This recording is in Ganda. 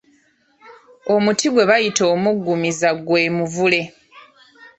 Omuti gwe bayita omuggumiza gwe muvule.